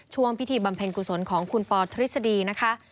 ช่วงพิธีบำเพ็งกุศลของคุณปธิสดีนะคะ